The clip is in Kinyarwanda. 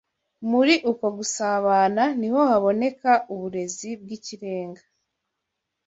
Muri uko gusābāna ni ho haboneka uburezi bw’ikirenga